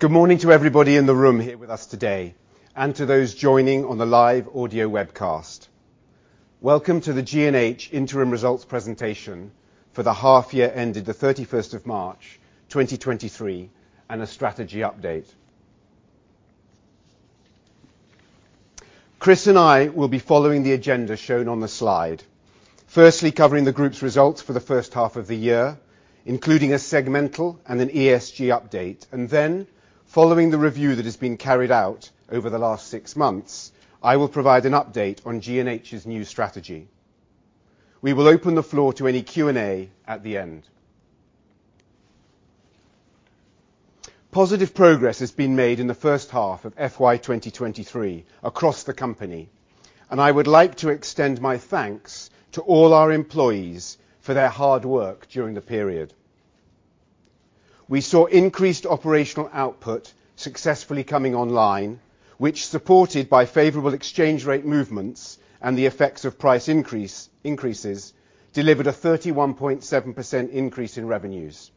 Good morning to everybody in the room here with us today and to those joining on the live audio webcast. Welcome to the G&H interim results presentation for the half year ended the 31st of March, 2023, and a strategy update. Chris and I will be following the agenda shown on the slide. Firstly, covering the group's results for the first half of the year, including a segmental and an ESG update. Following the review that has been carried out over the last six months, I will provide an update on G&H's new strategy. We will open the floor to any Q&A at the end. Positive progress has been made in the first half of FY 2023 across the company, and I would like to extend my thanks to all our employees for their hard work during the period. We saw increased operational output successfully coming online, which, supported by favorable exchange rate movements and the effects of price increases, delivered a 31.7% increase in revenues,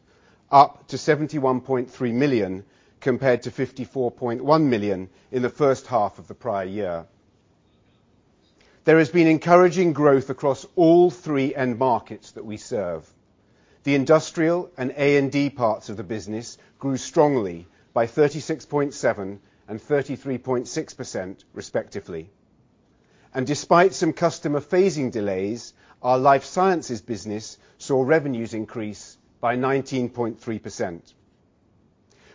up to 71.3 million, compared to 54.1 million in the first half of the prior year. There has been encouraging growth across all three end markets that we serve. The industrial and A&D parts of the business grew strongly by 36.7% and 33.6%, respectively. Despite some customer phasing delays, our life sciences business saw revenues increase by 19.3%.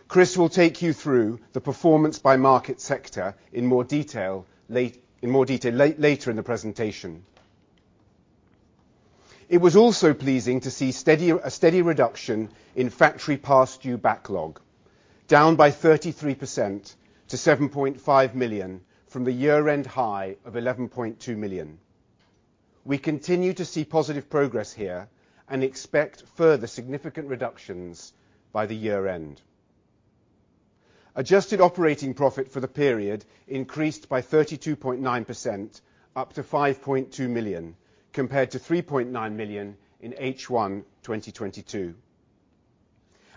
Chris will take you through the performance by market sector in more detail later in the presentation. It was also pleasing to see steady. A steady reduction in factory past due backlog, down by 33% to 7.5 million from the year-end high of 11.2 million. We continue to see positive progress here and expect further significant reductions by the year-end. Adjusted operating profit for the period increased by 32.9%, up to 5.2 million, compared to 3.9 million in H1 2022.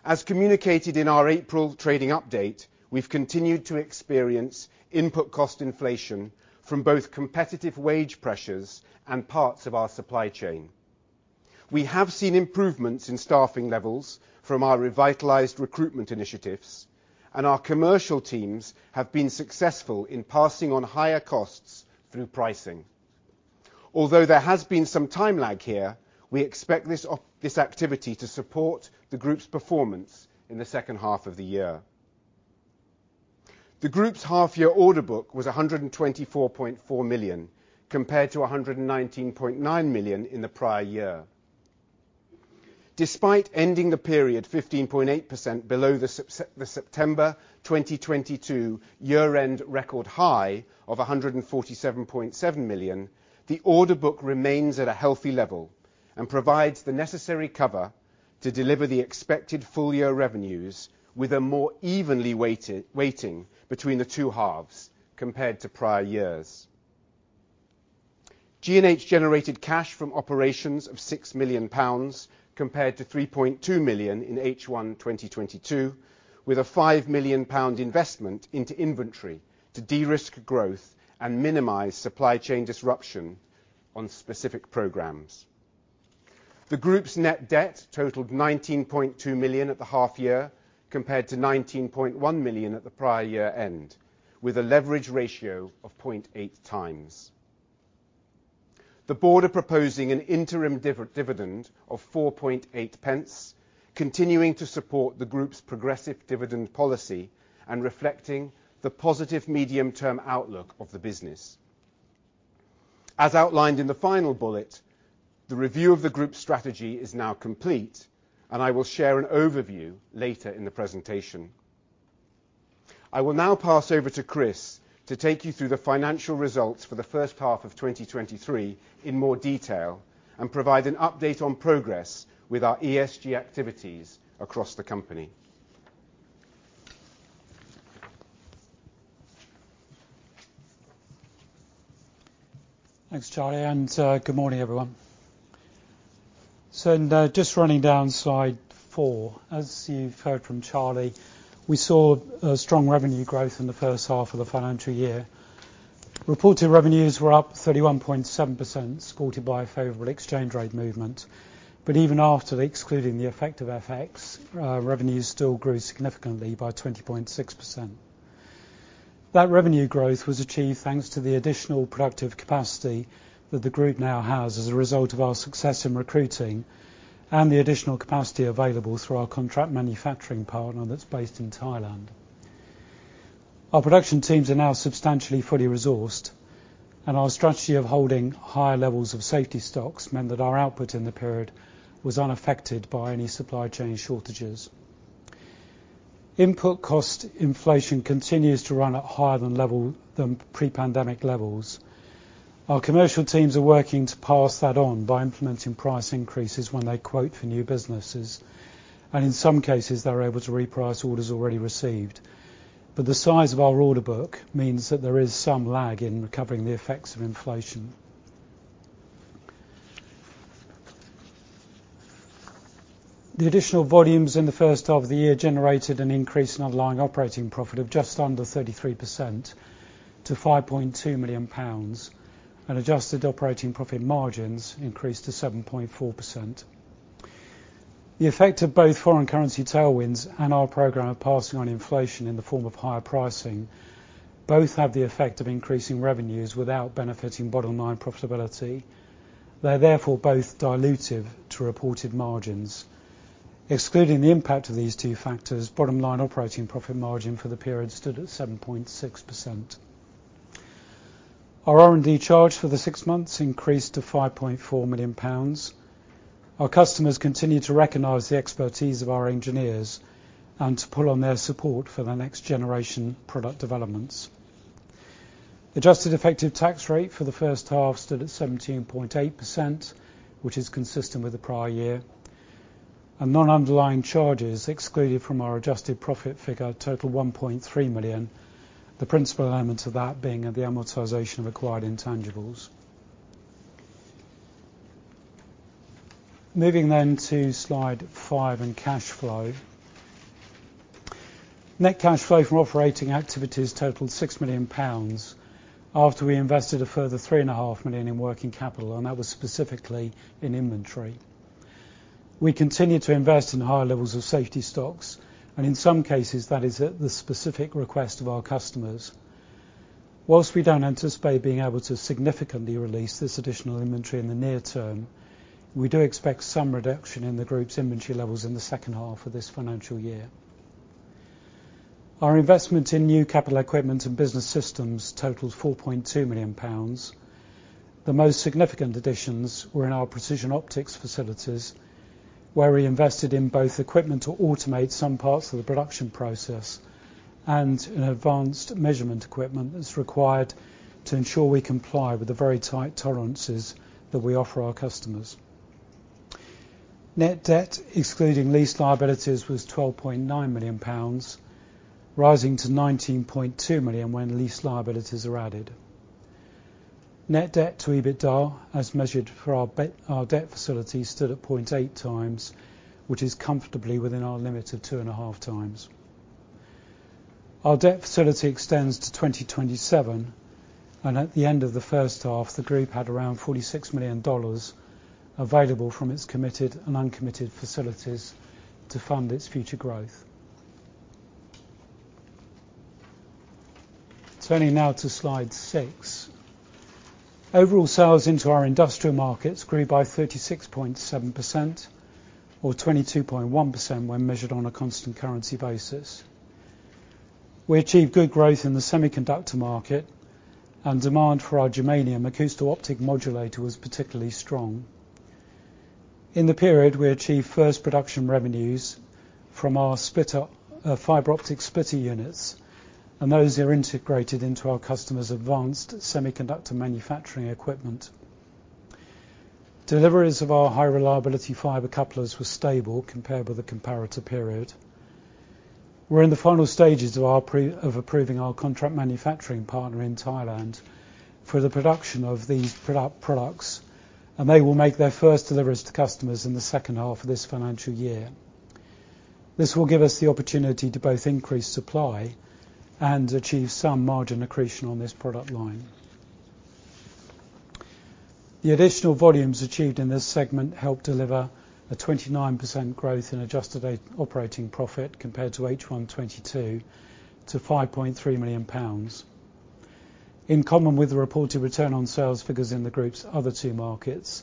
As communicated in our April trading update, we've continued to experience input cost inflation from both competitive wage pressures and parts of our supply chain. We have seen improvements in staffing levels from our revitalized recruitment initiatives, and our commercial teams have been successful in passing on higher costs through pricing. Although there has been some time lag here, we expect this activity to support the group's performance in the second half of the year. The group's half-year order book was 124.4 million, compared to 119.9 million in the prior year. Despite ending the period 15.8% below the September 2022 year-end record high of 147.7 million, the order book remains at a healthy level and provides the necessary cover to deliver the expected full-year revenues with a more evenly weighting between the two halves compared to prior years. G&H generated cash from operations of 6 million pounds compared to 3.2 million in H1 2022, with a 5 million pound investment into inventory to de-risk growth and minimize supply chain disruption on specific programs. The group's net debt totaled 19.2 million at the half year, compared to 19.1 million at the prior year end, with a leverage ratio of 0.8x. The board are proposing an interim dividend of 0.048, continuing to support the group's progressive dividend policy and reflecting the positive medium-term outlook of the business. As outlined in the final bullet, the review of the group's strategy is now complete, and I will share an overview later in the presentation. I will now pass over to Chris to take you through the financial results for the first half of 2023 in more detail and provide an update on progress with our ESG activities across the company. Thanks, Charlie, and good morning, everyone. Now, just running down slide four. As you've heard from Charlie, we saw a strong revenue growth in the first half of the financial year. Reported revenues were up 31.7%, supported by a favorable exchange rate movement. Even after excluding the effect of FX, revenues still grew significantly by 20.6%. That revenue growth was achieved thanks to the additional productive capacity that the group now has as a result of our success in recruiting and the additional capacity available through our contract manufacturing partner that's based in Thailand. Our production teams are now substantially fully resourced, and our strategy of holding higher levels of safety stocks meant that our output in the period was unaffected by any supply chain shortages. Input cost inflation continues to run at higher than pre-pandemic levels. Our commercial teams are working to pass that on by implementing price increases when they quote for new businesses, and in some cases, they're able to reprice orders already received. The size of our order book means that there is some lag in recovering the effects of inflation. The additional volumes in the first half of the year generated an increase in underlying operating profit of just under 33% to 5.2 million pounds. Adjusted operating profit margins increased to 7.4%. The effect of both foreign currency tailwinds and our program of passing on inflation in the form of higher pricing both have the effect of increasing revenues without benefiting bottom line profitability. They are therefore both dilutive to reported margins. Excluding the impact of these two factors, bottom-line operating profit margin for the period stood at 7.6%. Our R&D charge for the six months increased to 5.4 million pounds. Our customers continue to recognize the expertise of our engineers and to pull on their support for their next generation product developments. Adjusted effective tax rate for the first half stood at 17.8%, which is consistent with the prior year. Non-underlying charges excluded from our adjusted profit figure total 1.3 million, the principal element of that being the amortization of acquired intangibles. Moving then to slide five and cash flow. Net cash flow from operating activities totaled 6 million pounds after we invested a further 3.5 million in working capital, and that was specifically in inventory. We continue to invest in higher levels of safety stocks, and in some cases that is at the specific request of our customers. While we don't anticipate being able to significantly release this additional inventory in the near term, we do expect some reduction in the Group's inventory levels in the second half of this financial year. Our investment in new capital equipment and business systems totals 4.2 million pounds. The most significant additions were in our precision optics facilities, where we invested in both equipment to automate some parts of the production process and in advanced measurement equipment that's required to ensure we comply with the very tight tolerances that we offer our customers. Net debt, excluding lease liabilities, was 12.9 million pounds, rising to 19.2 million when lease liabilities are added. Net debt to EBITDA, as measured for our debt facility, stood at 0.8x, which is comfortably within our limit of 2.5x. Our debt facility extends to 2027, and at the end of the first half, the Group had around $46 million available from its committed and uncommitted facilities to fund its future growth. Turning now to slide six. Overall sales into our industrial markets grew by 36.7% or 22.1% when measured on a constant currency basis. We achieved good growth in the semiconductor market, and demand for our Germanium Acousto-Optic Modulator was particularly strong. In the period, we achieved first production revenues from our splitter, fiber optic splitter units, and those are integrated into our customers' advanced semiconductor manufacturing equipment. Deliveries of our high-reliability fiber couplers were stable compared with the comparator period. We're in the final stages of approving our contract manufacturing partner in Thailand for the production of these products, and they will make their first deliveries to customers in the second half of this financial year. This will give us the opportunity to both increase supply and achieve some margin accretion on this product line. The additional volumes achieved in this segment helped deliver a 29% growth in adjusted operating profit compared to H1 2022 to 5.3 million pounds. In common with the reported return on sales figures in the Group's other two markets,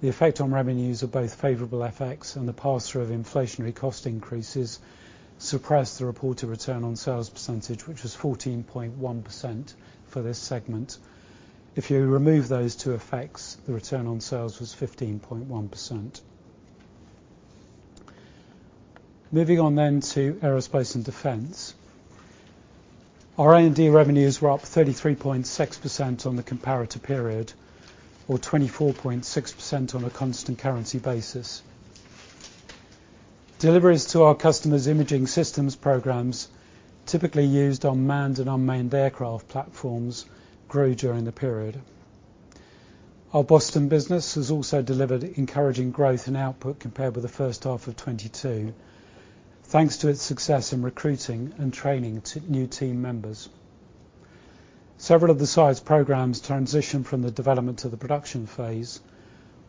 the effect on revenues of both favorable FX and the pass-through of inflationary cost increases suppressed the reported return on sales percentage, which was 14.1% for this segment. If you remove those two effects, the return on sales was 15.1%. Moving on to Aerospace & Defense. R&D revenues were up 33.6% on the comparator period or 24.6% on a constant currency basis. Deliveries to our customers' imaging systems programs, typically used on manned and unmanned aircraft platforms, grew during the period. Our Boston business has also delivered encouraging growth and output compared with the first half of 2022, thanks to its success in recruiting and training new team members. Several of the site's programs transition from the development to the production phase,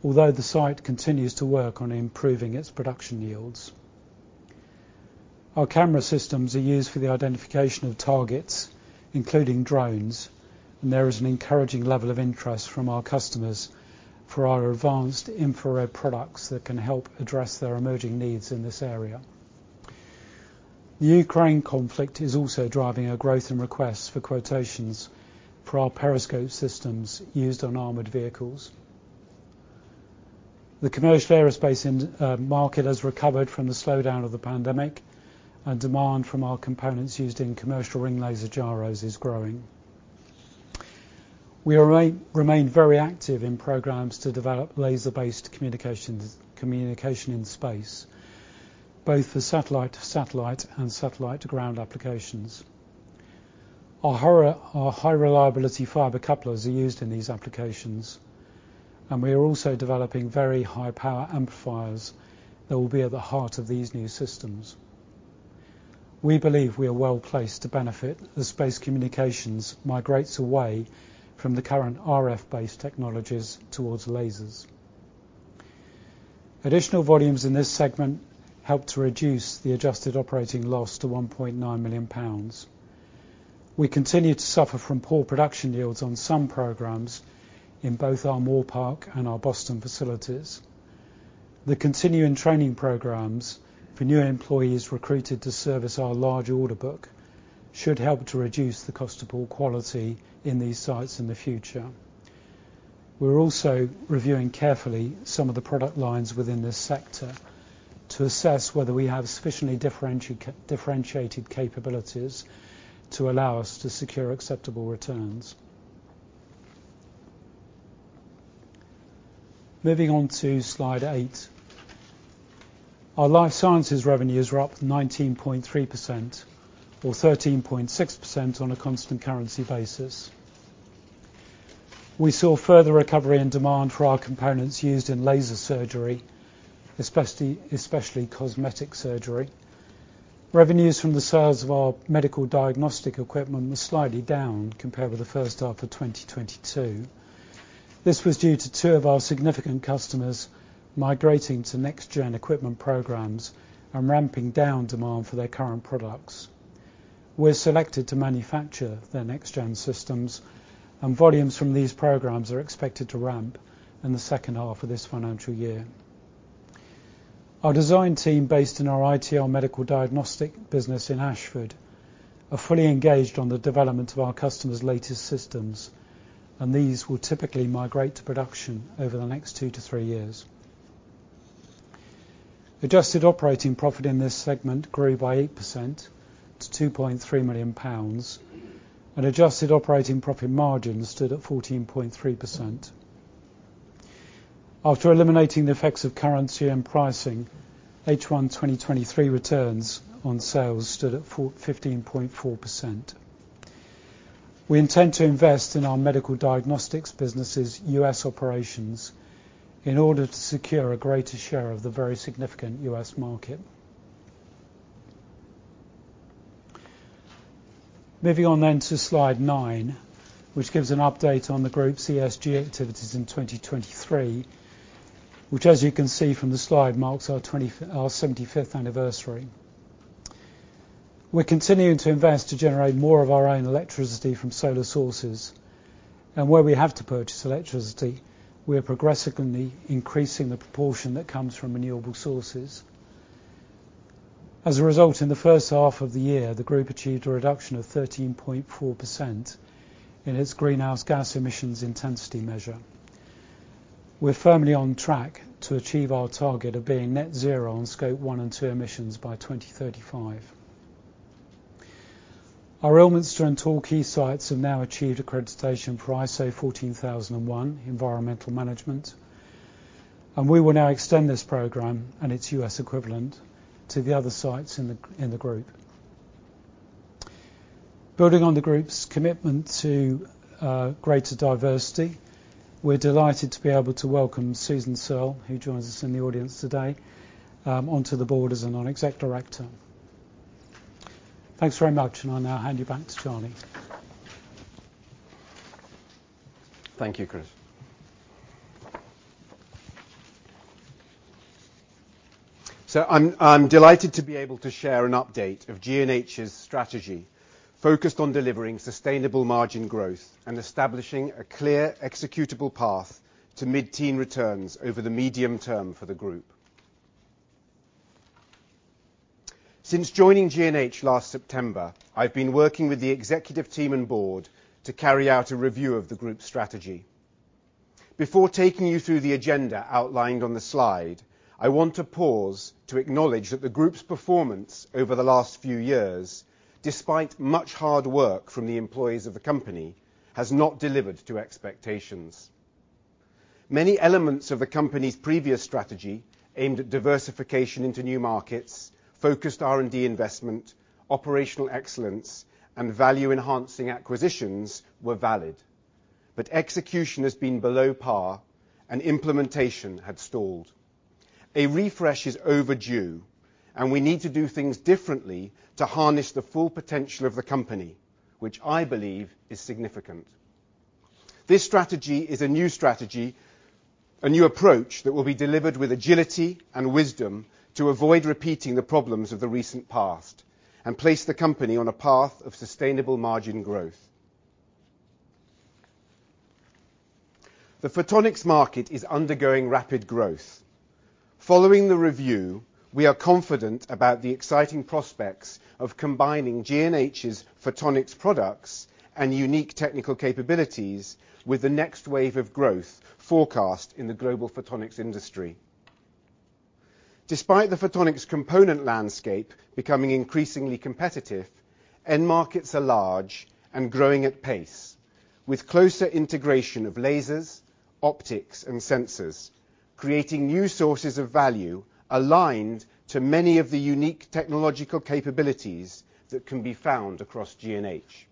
although the site continues to work on improving its production yields. Our camera systems are used for the identification of targets, including drones, and there is an encouraging level of interest from our customers for our advanced infrared products that can help address their emerging needs in this area. The Ukraine conflict is also driving a growth in requests for quotations for our periscope systems used on armored vehicles. The commercial aerospace end market has recovered from the slowdown of the pandemic, and demand from our components used in commercial ring laser gyros is growing. We remain very active in programs to develop laser-based communications, communication in space, both for satellite-to-satellite and satellite-to-ground applications. Our high-reliability fiber couplers are used in these applications, and we are also developing very high power amplifiers that will be at the heart of these new systems. We believe we are well placed to benefit as space communications migrates away from the current RF-based technologies towards lasers. Additional volumes in this segment help to reduce the adjusted operating loss to 1.9 million pounds. We continue to suffer from poor production yields on some programs in both our Moorpark and our Boston facilities. The continuing training programs for new employees recruited to service our large order book should help to reduce the cost of poor quality in these sites in the future. We're also reviewing carefully some of the product lines within this sector to assess whether we have sufficiently differentiated capabilities to allow us to secure acceptable returns. Moving on to slide eight. Our life sciences revenues were up 19.3%, or 13.6% on a constant currency basis. We saw further recovery in demand for our components used in laser surgery, especially cosmetic surgery. Revenues from the sales of our medical diagnostic equipment were slightly down compared with the first half of 2022. This was due to two of our significant customers migrating to next-gen equipment programs and ramping down demand for their current products. We're selected to manufacture their next-gen systems, and volumes from these programs are expected to ramp in the second half of this financial year. Our design team, based in our ITL Medical diagnostic business in Ashford, are fully engaged on the development of our customer's latest systems, and these will typically migrate to production over the next two-three years. Adjusted operating profit in this segment grew by 8% to 2.3 million pounds, and adjusted operating profit margins stood at 14.3%. After eliminating the effects of currency and pricing, H1 2023 returns on sales stood at 15.4%. We intend to invest in our medical diagnostics businesses U.S. operations in order to secure a greater share of the very significant U.S. market. Moving on to slide nine, which gives an update on the group's ESG activities in 2023, which as you can see from the slide marks our 75th anniversary. We're continuing to invest to generate more of our own electricity from solar sources, and where we have to purchase electricity, we are progressively increasing the proportion that comes from renewable sources. As a result, in the first half of the year, the group achieved a reduction of 13.4% in its greenhouse gas emissions intensity measure. We're firmly on track to achieve our target of being net-zero on Scope 1 and 2 emissions by 2035. Our Ilminster and Torquay sites have now achieved accreditation for ISO 14001 environmental management, and we will now extend this program and its U.S. equivalent to the other sites in the group. Building on the group's commitment to greater diversity, we're delighted to be able to welcome Susan Searle, who joins us in the audience today, onto the board as a Non-Executive Director. Thanks very much, and I'll now hand you back to Charlie. Thank you, Chris. I'm delighted to be able to share an update of G&H's strategy focused on delivering sustainable margin growth and establishing a clear executable path to mid-teen returns over the medium term for the group. Since joining G&H last September, I've been working with the executive team and board to carry out a review of the group's strategy. Before taking you through the agenda outlined on the slide, I want to pause to acknowledge that the group's performance over the last few years, despite much hard work from the employees of the company, has not delivered to expectations. Many elements of the company's previous strategy aimed at diversification into new markets, focused R&D investment, operational excellence, and value enhancing acquisitions were valid. Execution has been below par, and implementation had stalled. A refresh is overdue, and we need to do things differently to harness the full potential of the company, which I believe is significant. This strategy is a new strategy, a new approach that will be delivered with agility and wisdom to avoid repeating the problems of the recent past and place the company on a path of sustainable margin growth. The photonics market is undergoing rapid growth. Following the review, we are confident about the exciting prospects of combining G&H's photonics products and unique technical capabilities with the next wave of growth forecast in the global photonics industry. Despite the photonics component landscape becoming increasingly competitive, end markets are large and growing at pace, with closer integration of lasers, optics, and sensors, creating new sources of value aligned to many of the unique technological capabilities that can be found across G&H.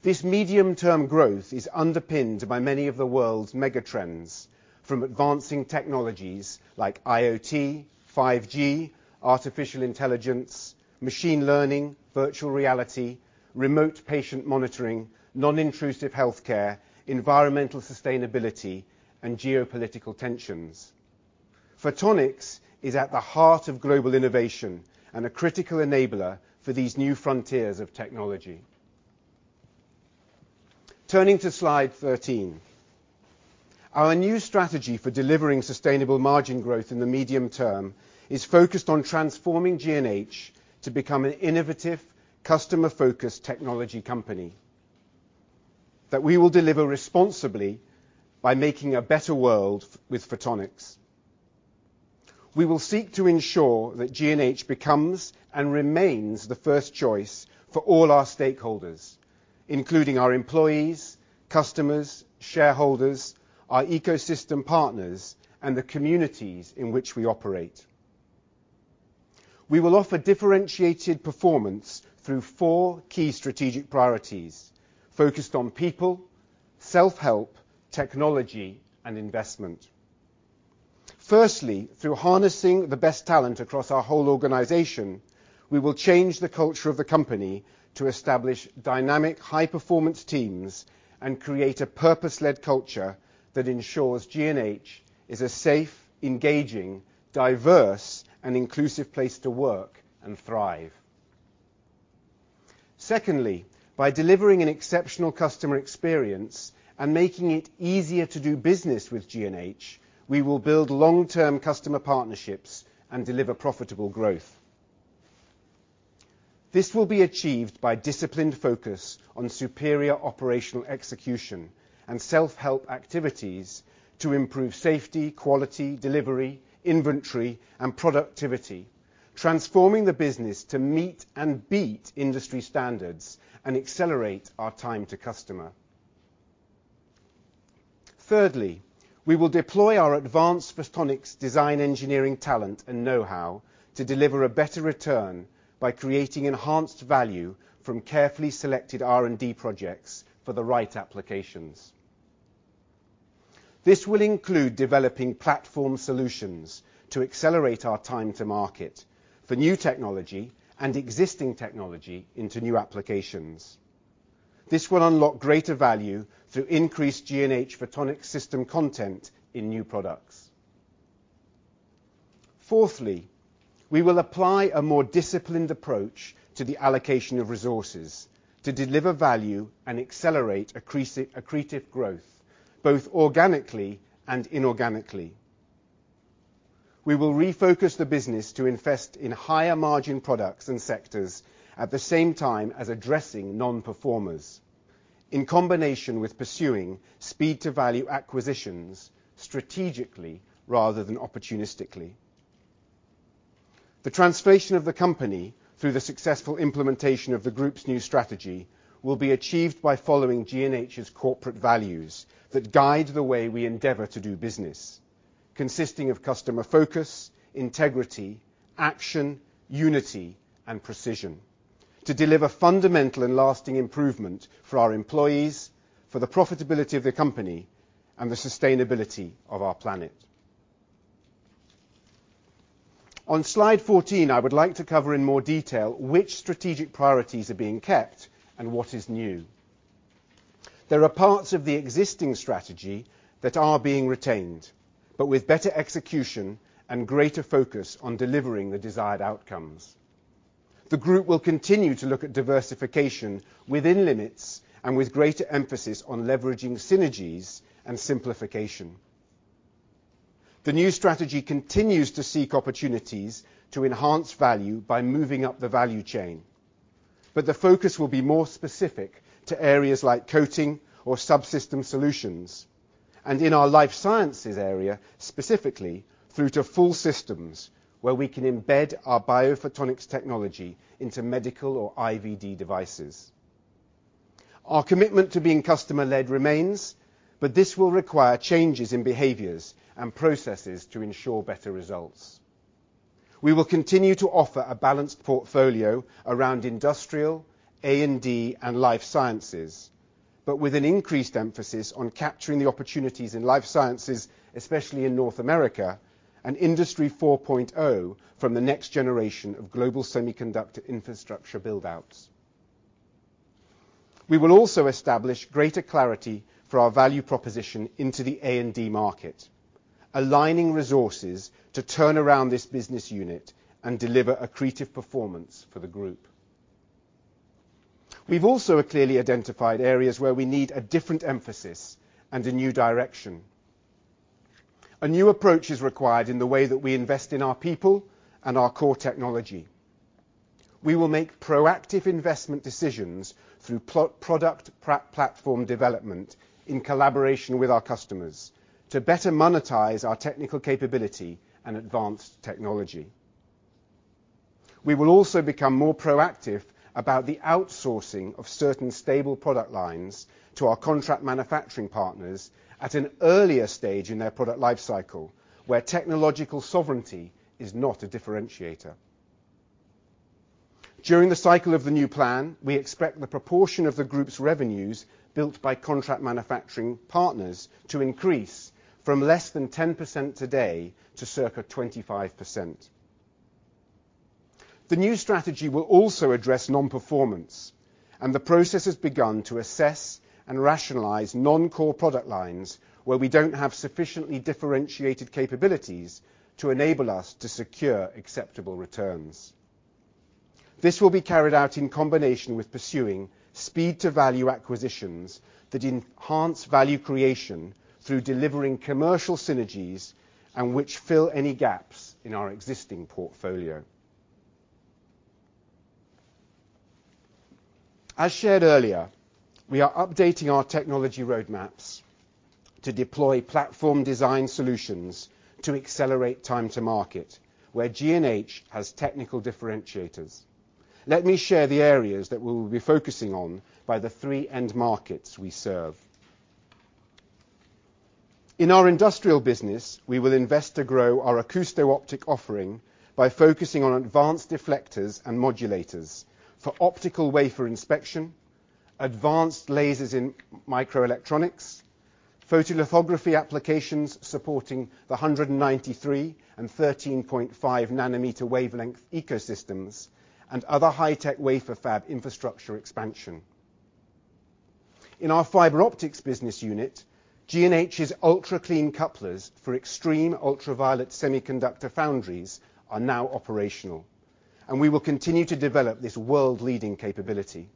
This medium-term growth is underpinned by many of the world's megatrends, from advancing technologies like IoT, 5G, artificial intelligence, machine learning, virtual reality, remote patient monitoring, non-intrusive healthcare, environmental sustainability, and geopolitical tensions. Photonics is at the heart of global innovation and a critical enabler for these new frontiers of technology. Turning to slide 13. Our new strategy for delivering sustainable margin growth in the medium term is focused on transforming G&H to become an innovative, customer-focused technology company that we will deliver responsibly by making a better world with photonics. We will seek to ensure that G&H becomes and remains the first choice for all our stakeholders, including our employees, customers, shareholders, our ecosystem partners, and the communities in which we operate. We will offer differentiated performance through four key strategic priorities focused on people, self-help, technology, and investment. Firstly, through harnessing the best talent across our whole organization, we will change the culture of the company to establish dynamic, high-performance teams and create a purpose-led culture that ensures G&H is a safe, engaging, diverse, and inclusive place to work and thrive. Secondly, by delivering an exceptional customer experience and making it easier to do business with G&H, we will build long-term customer partnerships and deliver profitable growth. This will be achieved by disciplined focus on superior operational execution and self-help activities to improve safety, quality, delivery, inventory, and productivity, transforming the business to meet and beat industry standards and accelerate our time to customer. Thirdly, we will deploy our advanced photonics design engineering talent and know-how to deliver a better return by creating enhanced value from carefully selected R&D projects for the right applications. This will include developing platform solutions to accelerate our time to market for new technology and existing technology into new applications. This will unlock greater value through increased G&H photonic system content in new products. Fourthly, we will apply a more disciplined approach to the allocation of resources to deliver value and accelerate accretive growth, both organically and inorganically. We will refocus the business to invest in higher margin products and sectors at the same time as addressing non-performers in combination with pursuing speed to value acquisitions strategically rather than opportunistically. The transformation of the company through the successful implementation of the group's new strategy will be achieved by following G&H's corporate values that guide the way we endeavor to do business, consisting of customer focus, integrity, action, unity and precision to deliver fundamental and lasting improvement for our employees, for the profitability of the company, and the sustainability of our planet. On slide 14, I would like to cover in more detail which strategic priorities are being kept and what is new. There are parts of the existing strategy that are being retained, but with better execution and greater focus on delivering the desired outcomes. The group will continue to look at diversification within limits and with greater emphasis on leveraging synergies and simplification. The new strategy continues to seek opportunities to enhance value by moving up the value chain, but the focus will be more specific to areas like coating or subsystem solutions, and in our life sciences area, specifically through to full systems where we can embed our biophotonics technology into medical or IVD devices. Our commitment to being customer-led remains, but this will require changes in behaviors and processes to ensure better results. We will continue to offer a balanced portfolio around industrial, A&D, and life sciences, but with an increased emphasis on capturing the opportunities in life sciences, especially in North America and Industry 4.0 from the next generation of global semiconductor infrastructure buildouts. We will also establish greater clarity for our value proposition into the A&D market, aligning resources to turn around this business unit and deliver accretive performance for the group. We've also clearly identified areas where we need a different emphasis and a new direction. A new approach is required in the way that we invest in our people and our core technology. We will make proactive investment decisions through product platform development in collaboration with our customers to better monetize our technical capability and advanced technology. We will also become more proactive about the outsourcing of certain stable product lines to our contract manufacturing partners at an earlier stage in their product life cycle, where technological sovereignty is not a differentiator. During the cycle of the new plan, we expect the proportion of the group's revenues built by contract manufacturing partners to increase from less than 10% today to circa 25%. The new strategy will also address non-performance, and the process has begun to assess and rationalize non-core product lines where we don't have sufficiently differentiated capabilities to enable us to secure acceptable returns. This will be carried out in combination with pursuing speed to value acquisitions that enhance value creation through delivering commercial synergies and which fill any gaps in our existing portfolio. As shared earlier, we are updating our technology roadmaps to deploy platform design solutions to accelerate time to market where G&H has technical differentiators. Let me share the areas that we will be focusing on by the three end markets we serve. In our industrial business, we will invest to grow our acousto-optic offering by focusing on advanced deflectors and modulators for optical wafer inspection, advanced lasers in microelectronics, photolithography applications supporting the 193 and 13.5 nanometer wavelength ecosystems, and other high-tech wafer fab infrastructure expansion. In our fiber optics business unit, G&H's ultra-clean couplers for extreme ultraviolet semiconductor foundries are now operational, and we will continue to develop this world-leading capability.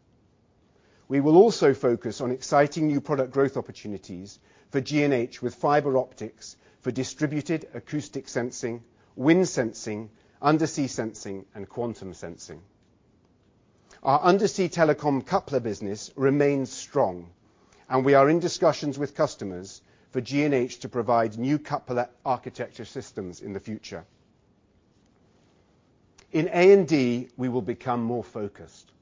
We will also focus on exciting new product growth opportunities for G&H with fiber optics for distributed acoustic sensing, wind sensing, undersea sensing, and quantum sensing. Our undersea telecom coupler business remains strong, and we are in discussions with customers for G&H to provide new coupler architecture systems in the future. In A&D, we will become more focused.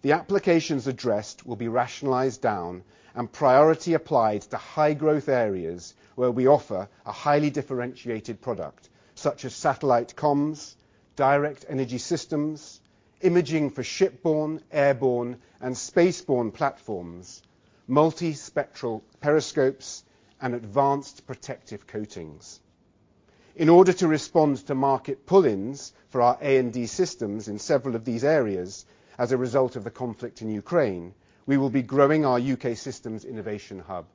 The applications addressed will be rationalized down and priority applied to high growth areas where we offer a highly differentiated product, such as satellite comms, directed energy systems, imaging for shipborne, airborne, and spaceborne platforms, multi-spectral periscopes, and advanced protective coatings. In order to respond to market pull-ins for our A&D systems in several of these areas as a result of the conflict in Ukraine, we will be growing our U.K. systems innovation hub.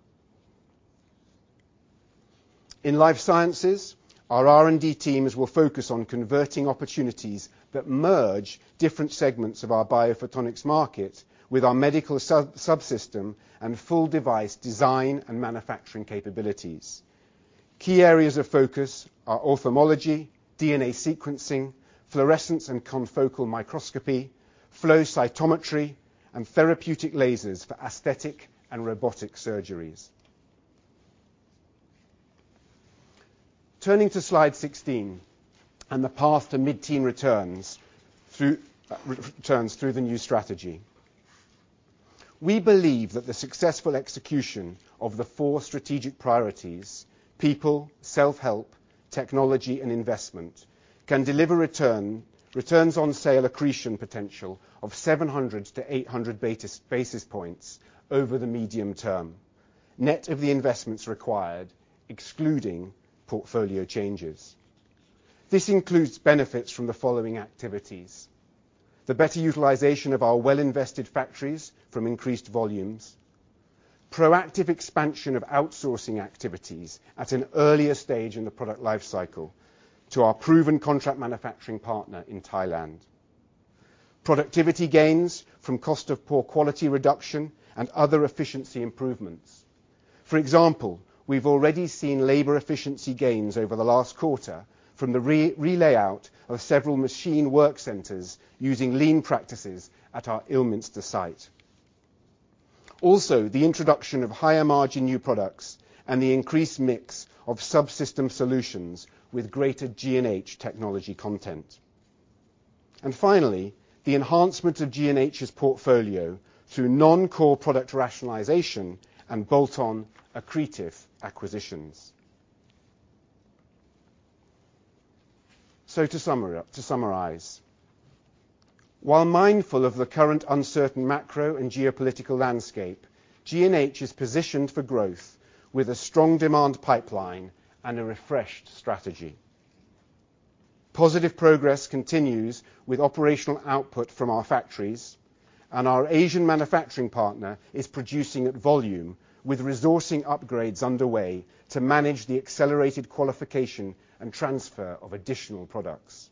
In life sciences, our R&D teams will focus on converting opportunities that merge different segments of our biophotonics market with our medical sub-subsystem and full device design and manufacturing capabilities. Key areas of focus are ophthalmology, DNA sequencing, fluorescence and confocal microscopy, flow cytometry, and therapeutic lasers for aesthetic and robotic surgeries. Turning to slide 16 and the path to mid-teen returns through the new strategy. We believe that the successful execution of the four strategic priorities, people, self-help, technology, and investment, can deliver return on sales accretion potential of 700 basis points-800 basis points over the medium term, net of the investments required, excluding portfolio changes. This includes benefits from the following activities. The better utilization of our well-invested factories from increased volumes, proactive expansion of outsourcing activities at an earlier stage in the product life cycle to our proven contract manufacturing partner in Thailand, productivity gains from cost of poor quality reduction and other efficiency improvements. For example, we've already seen labor efficiency gains over the last quarter from the re-layout of several machine work centers using lean practices at our Ilminster site. Also, the introduction of higher margin new products and the increased mix of subsystem solutions with greater G&H technology content. Finally, the enhancement of G&H's portfolio through non-core product rationalization and bolt-on accretive acquisitions. To summarize. While mindful of the current uncertain macro and geopolitical landscape, G&H is positioned for growth with a strong demand pipeline and a refreshed strategy. Positive progress continues with operational output from our factories and our Asian manufacturing partner is producing at volume with resourcing upgrades underway to manage the accelerated qualification and transfer of additional products.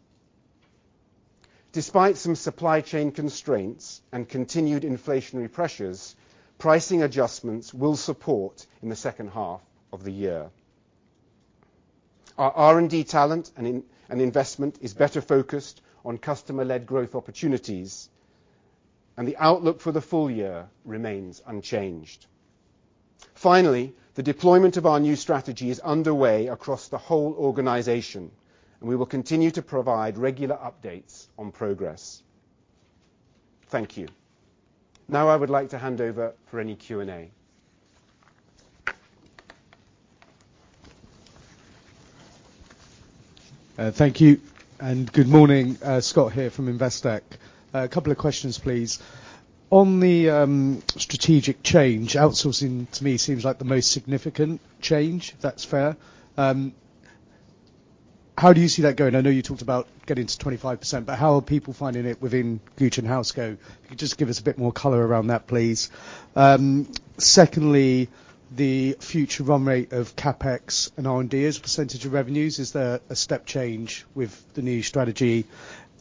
Despite some supply chain constraints and continued inflationary pressures, pricing adjustments will support in the second half of the year. Our R&D talent and investment is better focused on customer-led growth opportunities, and the outlook for the full year remains unchanged. Finally, the deployment of our new strategy is underway across the whole organization, and we will continue to provide regular updates on progress. Thank you. Now I would like to hand over for any Q&A. Thank you, and good morning. Scott here from Investec. A couple of questions, please. On the strategic change, outsourcing to me seems like the most significant change. If that's fair. How do you see that going? I know you talked about getting to 25%, but how are people finding it within Gooch & Housego? If you could just give us a bit more color around that, please. Secondly, the future run rate of CapEx and R&D as a percentage of revenues, is there a step change with the new strategy?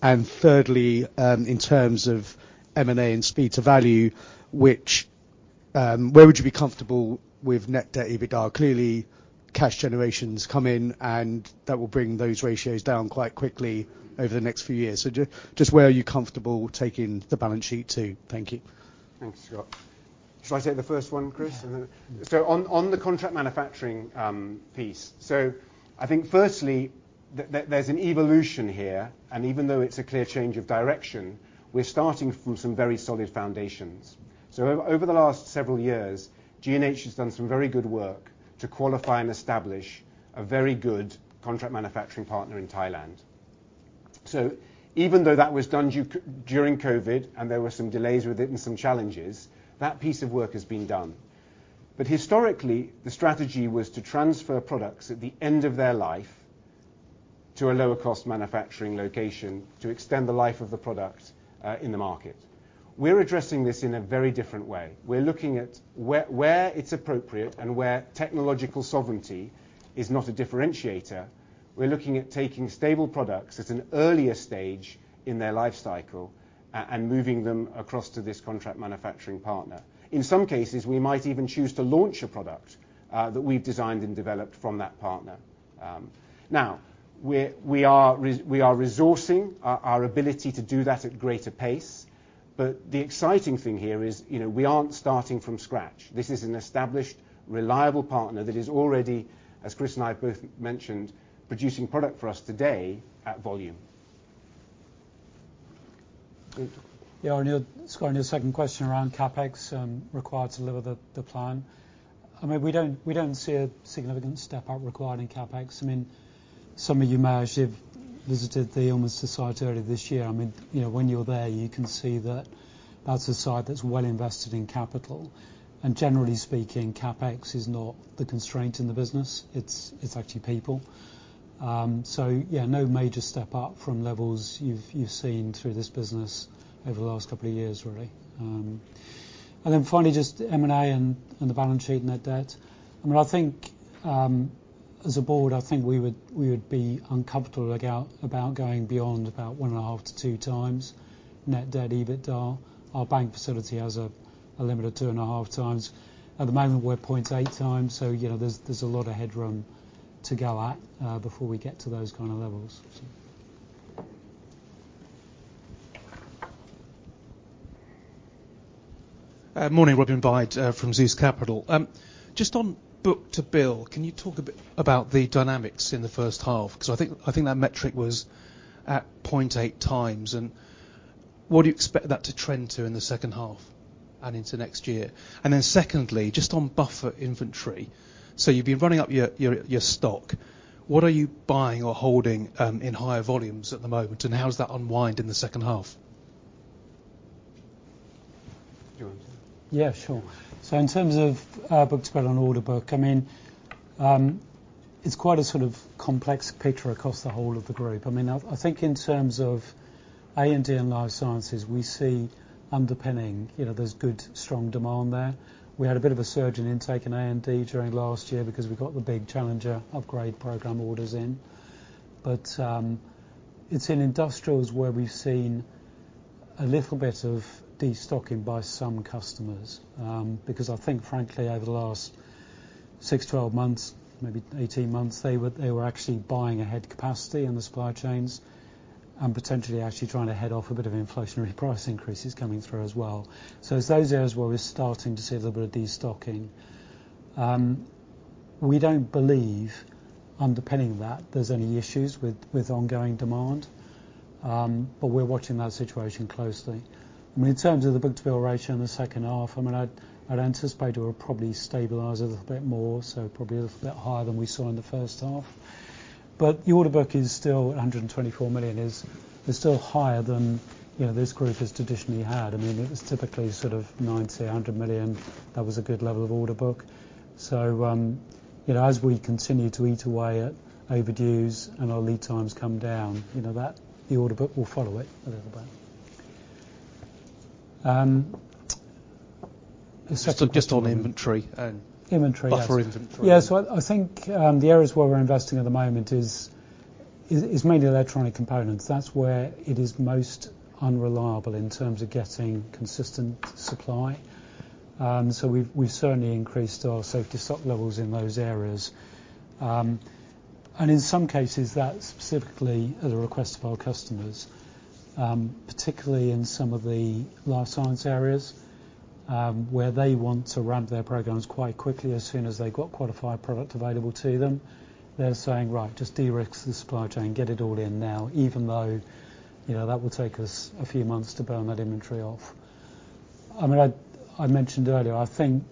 Thirdly, in terms of M&A and speed to value, which, where would you be comfortable with net debt EBITDA? Clearly, cash generation's come in, and that will bring those ratios down quite quickly over the next few years. Just where are you comfortable taking the balance sheet to? Thank you. Thanks, Scott. Shall I take the first one, Chris? Yeah. On the contract manufacturing piece. I think firstly, there's an evolution here, and even though it's a clear change of direction, we're starting from some very solid foundations. Over the last several years, G&H has done some very good work to qualify and establish a very good contract manufacturing partner in Thailand. Even though that was done during COVID, and there were some delays with it and some challenges, that piece of work has been done. Historically, the strategy was to transfer products at the end of their life to a lower cost manufacturing location to extend the life of the product in the market. We're addressing this in a very different way. We're looking at where it's appropriate and where technological sovereignty is not a differentiator. We're looking at taking stable products at an earlier stage in their life cycle and moving them across to this contract manufacturing partner. In some cases, we might even choose to launch a product that we've designed and developed from that partner. Now we are resourcing our ability to do that at greater pace. The exciting thing here is, you know, we aren't starting from scratch. This is an established, reliable partner that is already, as Chris and I both mentioned, producing product for us today at volume. Scott, on your second question around CapEx required to deliver the plan. I mean, we don't see a significant step-up required in CapEx. I mean, some of you may have visited the Ilminster site earlier this year. I mean, you know, when you're there, you can see that that's a site that's well invested in capital. Generally speaking, CapEx is not the constraint in the business. It's actually people. Yeah, no major step-up from levels you've seen through this business over the last couple of years, really. Then finally, just M&A and the balance sheet and net debt. I mean, as a board, I think we would be uncomfortable about going beyond about 1.5x-2x net debt EBITDA. Our bank facility has a limit of 2.5x. At the moment, we're 0.8x, so you know, there's a lot of headroom to go at, before we get to those kind of levels. Morning, Robin Byde from Zeus Capital. Just on book-to-bill, can you talk a bit about the dynamics in the first half? 'Cause I think that metric was at 0.8x, and what do you expect that to trend to in the second half and into next year? Secondly, just on buffer inventory. You've been running up your stock. What are you buying or holding in higher volumes at the moment, and how does that unwind in the second half? You want to take that? Yeah, sure. In terms of book-to-bill and order book, I mean, it's quite a sort of complex picture across the whole of the group. I mean, I think in terms of A&D and life sciences, we see underpinning. You know, there's good, strong demand there. We had a bit of a surge in intake in A&D during last year because we got the big Challenger 3 program orders in. It's in industrials where we've seen a little bit of destocking by some customers because I think frankly, over the last six to 12 months, maybe 18 months, they were actually buying ahead capacity in the supply chains and potentially actually trying to head off a bit of inflationary price increases coming through as well. It's those areas where we're starting to see a little bit of destocking. We don't believe, underpinning that, there's any issues with ongoing demand. We're watching that situation closely. I mean, in terms of the book-to-bill ratio in the second half, I mean, I'd anticipate it will probably stabilize a little bit more, so probably a bit higher than we saw in the first half. The order book is still 124 million. It's still higher than, you know, this group has traditionally had. I mean, it was typically sort of 90 million, 100 million. That was a good level of order book. You know, as we continue to eat away at overdues and our lead times come down, you know, that, the order book will follow it a little bit. Just on inventory. Inventory Buffer inventory. Yeah. I think the areas where we're investing at the moment is mainly electronic components. That's where it is most unreliable in terms of getting consistent supply. We've certainly increased our safety stock levels in those areas. In some cases that's specifically at the request of our customers, particularly in some of the life science areas, where they want to ramp their programs quite quickly. As soon as they've got qualified product available to them, they're saying, "Right, just de-risk the supply chain, get it all in now, even though, you know, that will take us a few months to burn that inventory off." I mean, I mentioned earlier, I think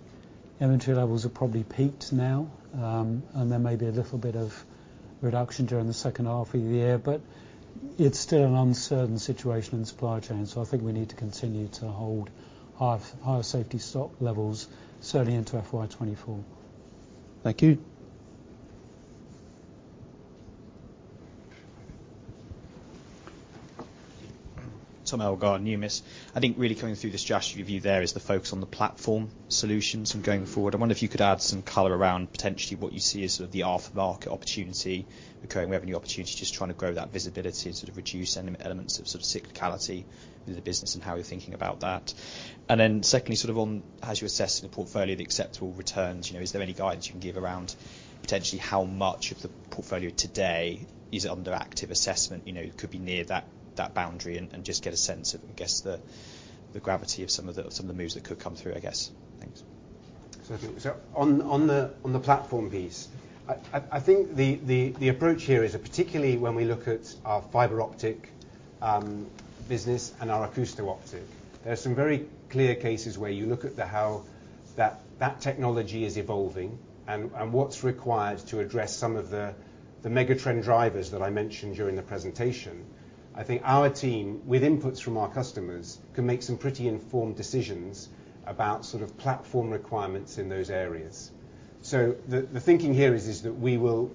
inventory levels have probably peaked now, and there may be a little bit of reduction during the second half of the year, but it's still an uncertain situation in supply chain, so I think we need to continue to hold our higher safety stock levels certainly into FY 2024. Thank you. Tom Elgar, Numis. I think really coming through this strategy review there is the focus on the platform solutions from going forward. I wonder if you could add some color around potentially what you see as sort of the after-market opportunity, recurring revenue opportunity, just trying to grow that visibility to sort of reduce any elements of sort of cyclicality in the business and how you're thinking about that. Secondly, sort of on as you're assessing the portfolio, the acceptable returns, you know, is there any guidance you can give around potentially how much of the portfolio today is under active assessment, you know, could be near that boundary? Just get a sense of, I guess, the gravity of some of the moves that could come through, I guess. Thanks. On the platform piece, I think the approach here is that particularly when we look at our fiber optic business and our acousto-optic, there are some very clear cases where you look at how that technology is evolving and what's required to address some of the megatrend drivers that I mentioned during the presentation. I think our team, with inputs from our customers, can make some pretty informed decisions about sort of platform requirements in those areas. The thinking here is that we will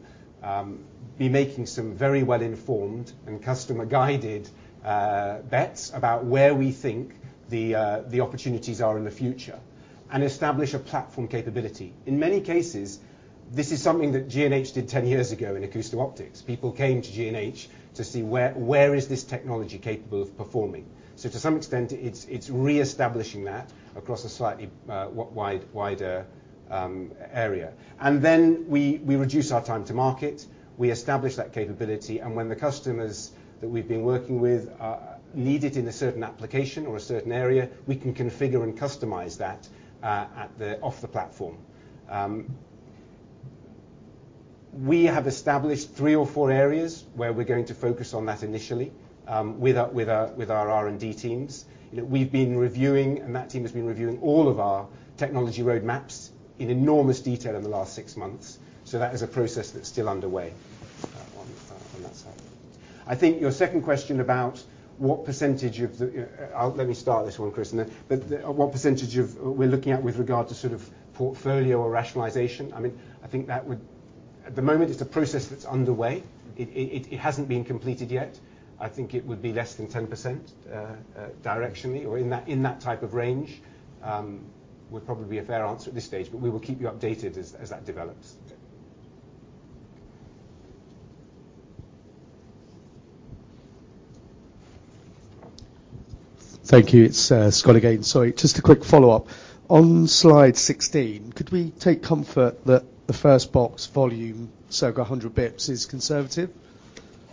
be making some very well-informed and customer-guided bets about where we think the opportunities are in the future and establish a platform capability. In many cases, this is something that G&H did 10 years ago in acousto-optics. People came to G&H to see where this technology is capable of performing. To some extent, it's reestablishing that across a slightly wider area. Then we reduce our time to market. We establish that capability, and when the customers that we've been working with need it in a certain application or a certain area, we can configure and customize that off the platform. We have established three or four areas where we're going to focus on that initially with our R&D teams. You know, we've been reviewing, and that team has been reviewing all of our technology roadmaps in enormous detail in the last six months. That is a process that's still underway on that side. I think your second question about what percentage of the... Let me start this one, Chris. What percentage we're looking at with regard to sort of portfolio or rationalization. I mean, I think that would. At the moment, it's a process that's underway. It hasn't been completed yet. I think it would be less than 10%, directionally, or in that type of range, would probably be a fair answer at this stage. We will keep you updated as that develops. Thank you. It's Scott again. Sorry, just a quick follow-up. On slide 16, could we take comfort that the first box volume, so 100 basis points, is conservative?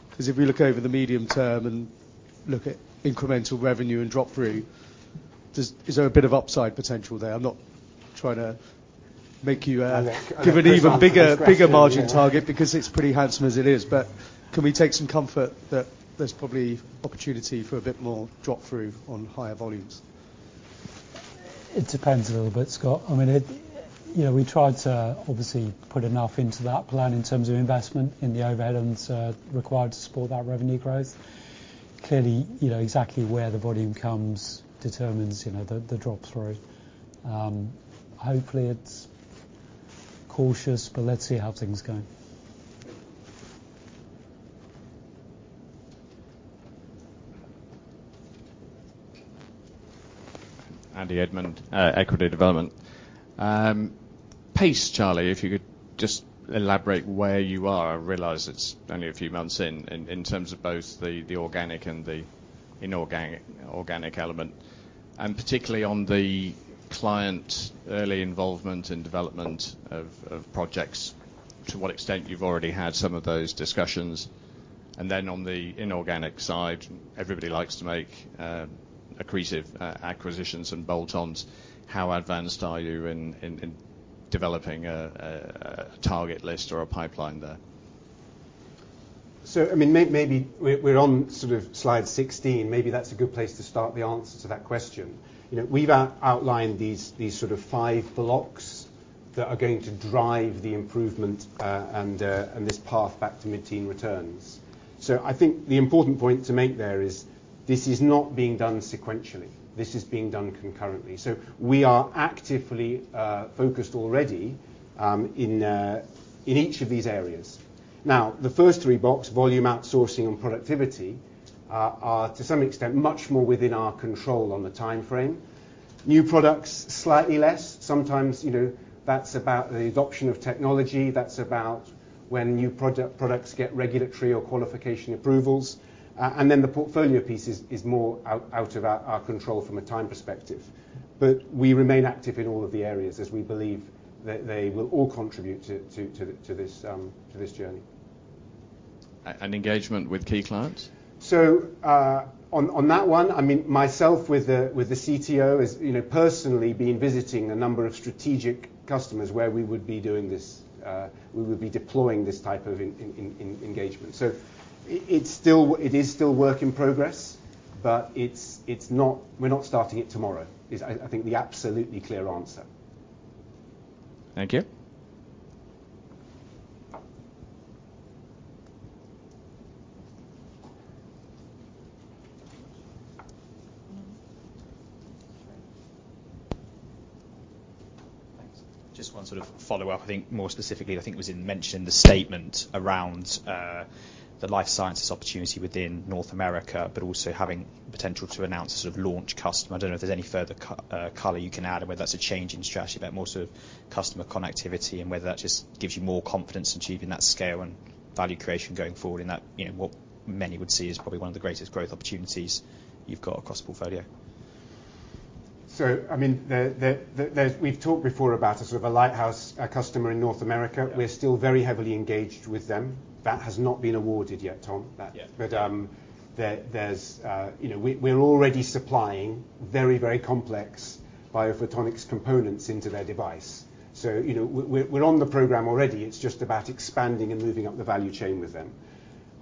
Because if we look over the medium term and look at incremental revenue and drop through, is there a bit of upside potential there? I'm not trying to make you give an even bigger margin target because it's pretty handsome as it is. Can we take some comfort that there's probably opportunity for a bit more drop through on higher volumes? It depends a little bit, Scott. I mean, you know, we tried to obviously put enough into that plan in terms of investment in the overheads required to support that revenue growth. Clearly, you know, exactly where the volume comes determines the drop through. Hopefully it's cautious, but let's see how things go. Andy Edmond, Equity Development. Please, Charlie, if you could just elaborate where you are. I realize it's only a few months in terms of both the organic and the inorganic, organic element. Particularly on the client early involvement and development of projects, to what extent you've already had some of those discussions. Then on the inorganic side, everybody likes to make accretive acquisitions and bolt-ons. How advanced are you in developing a target list or a pipeline there? I mean, maybe we're on sort of slide 16, maybe that's a good place to start the answer to that question. You know, we've outlined these sort of five blocks that are going to drive the improvement, and this path back to mid-teen returns. I think the important point to make there is this is not being done sequentially. This is being done concurrently. We are actively focused already in each of these areas. Now, the first three boxes, volume outsourcing and productivity, are to some extent much more within our control on the timeframe. New products, slightly less. Sometimes, you know, that's about the adoption of technology. That's about when new products get regulatory or qualification approvals. And then the portfolio piece is more out of our control from a time perspective. We remain active in all of the areas as we believe that they will all contribute to this journey. Engagement with key clients? On that one, I mean, myself with the CTO is, you know, personally been visiting a number of strategic customers where we would be deploying this type of engagement. It's still work in progress, but we're not starting it tomorrow, I think the absolutely clear answer. Thank you. Thanks. Just one sort of follow-up. I think more specifically, I think it was mentioned in the statement around the life sciences opportunity within North America, but also having potential to announce a sort of launch customer. I don't know if there's any further color you can add or whether that's a change in strategy, but more sort of customer connectivity and whether that just gives you more confidence achieving that scale and value creation going forward in that, you know, what many would see as probably one of the greatest growth opportunities you've got across the portfolio. I mean, we've talked before about a sort of a lighthouse customer in North America. Yeah. We're still very heavily engaged with them. That has not been awarded yet, Tom. Yeah. You know, we're already supplying very complex biophotonics components into their device. You know, we're on the program already. It's just about expanding and moving up the value chain with them.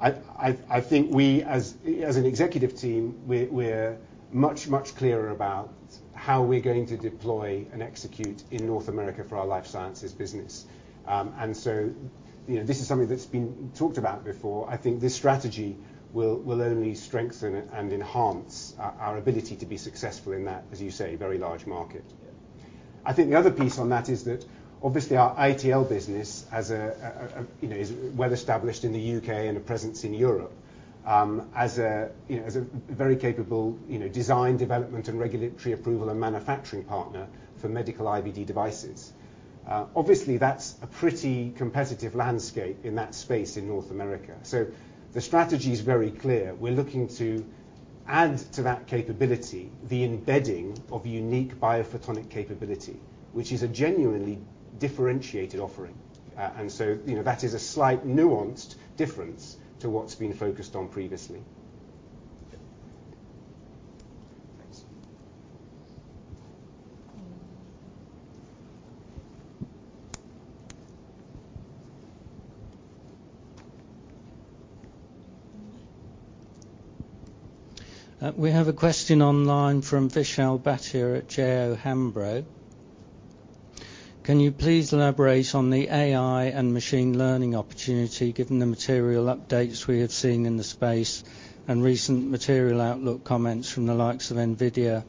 I think we as an executive team, we're much clearer about how we're going to deploy and execute in North America for our life sciences business. You know, this is something that's been talked about before. I think this strategy will only strengthen it and enhance our ability to be successful in that, as you say, very large market. Yeah. I think the other piece on that is that obviously our ITL business, you know, is well established in the U.K. and a presence in Europe, as a, you know, as a very capable, you know, design, development and regulatory approval and manufacturing partner for medical IVD devices. Obviously, that's a pretty competitive landscape in that space in North America. The strategy is very clear. We're looking to add to that capability the embedding of unique biophotonic capability, which is a genuinely differentiated offering. You know, that is a slight nuanced difference to what's been focused on previously. Thanks. We have a question online from Vishal Bhatia at J O Hambro. Can you please elaborate on the AI and machine learning opportunity, given the material updates we have seen in the space and recent material outlook comments from the likes of NVIDIA?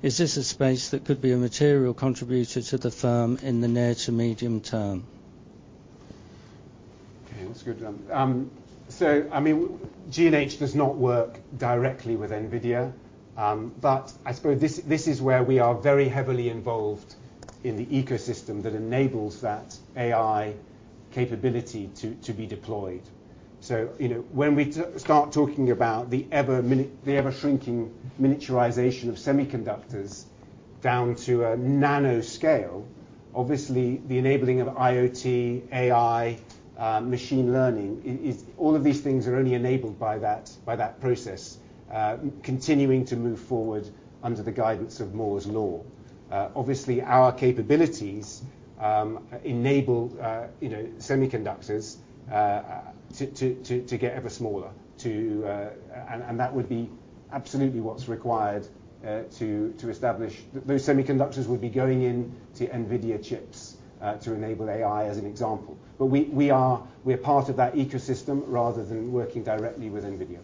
Is this a space that could be a material contributor to the firm in the near to medium term? Okay, that's a good one. I mean, G&H does not work directly with NVIDIA. I suppose this is where we are very heavily involved in the ecosystem that enables that AI capability to be deployed. You know, when we start talking about the ever-shrinking miniaturization of semiconductors down to a nano scale, obviously the enabling of IoT, AI, machine learning is all of these things are only enabled by that process continuing to move forward under the guidance of Moore's Law. Obviously, our capabilities enable you know, semiconductors to get ever smaller, and that would be absolutely what's required to establish. Those semiconductors would be going into NVIDIA chips to enable AI, as an example. We are part of that ecosystem rather than working directly with NVIDIA.